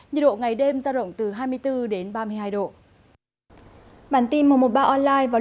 nhiệt độ ngày đêm giao động từ hai mươi bốn ba mươi hai độ